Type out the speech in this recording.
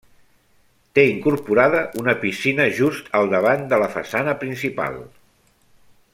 Té incorporada una piscina just al davant de la façana principal.